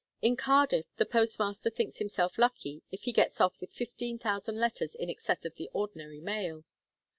In Cardiff the postmaster thinks himself lucky if he gets off with fifteen thousand letters in excess of the ordinary mail.